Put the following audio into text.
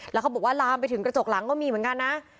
แล้วเขาบอกว่าลามไปถึงกระจกหลังก็มีเหมือนกันนะ